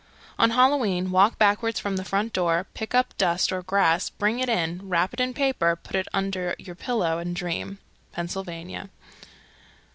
_ 310. On Halloween walk backwards from the front door, pick up dust or grass, bring it in, wrap it in paper, put it under your pillow, and dream. _Pennsylvania.